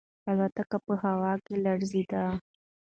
الوتکه په هوا کې لړزیده.